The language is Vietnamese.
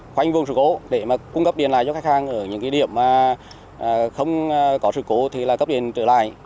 khoanh vùng sự cố để mà cung cấp điện lại cho khách hàng ở những điểm mà không có sự cố thì là cấp điện trở lại